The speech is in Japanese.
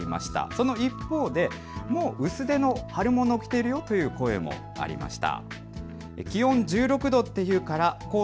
その一方でもう薄手の春物にしているという声もありました。